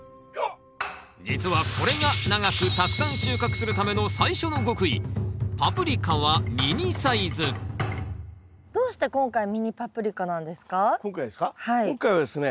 実はこれが長くたくさん収穫するための最初の極意どうして今回ミニパプリカなんですか？